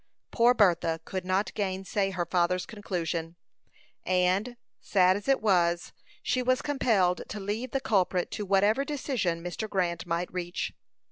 Poor Bertha could not gainsay her father's conclusion, and, sad as it was, she was compelled to leave the culprit to whatever decision Mr. Grant might reach.